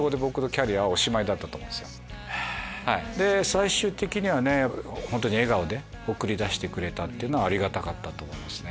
最終的には笑顔で送り出してくれたのはありがたかったと思いますね。